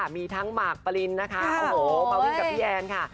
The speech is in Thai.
มีทั้งหมากปรินนะคะโอ้โหมาวิ่งกับพี่แอนค่ะ